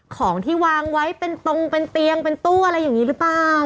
ของที่วางไว้เป็นตรงเป็นเตียงเป็นตู้อะไรอย่างนี้หรือเปล่า